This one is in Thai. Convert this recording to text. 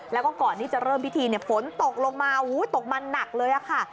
แล้วก็ก่อนที่จะเริ่มพิธีฝนตกลงมาตกมันหนักเลยค่ะ